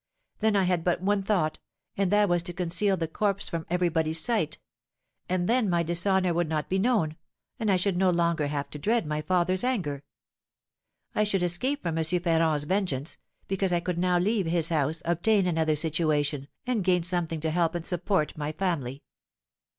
Then I had but one thought, and that was to conceal the corpse from everybody's sight; and then my dishonour would not be known, and I should no longer have to dread my father's anger. I should escape from M. Ferrand's vengeance, because I could now leave his house, obtain another situation, and gain something to help and support my family.